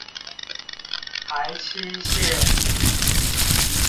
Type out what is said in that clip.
台七線